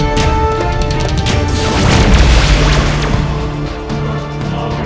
kau akan menang